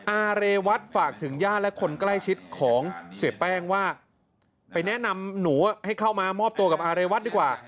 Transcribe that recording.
อาเรวัตฝากถึงญาติและคนใกล้ชิดของเสียแป้งว่าไปแนะนำหนูให้เข้ามามอบตัวกับอาเรวัตดีกว่า